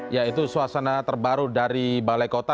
ya itu suasana terbaru dari balai kota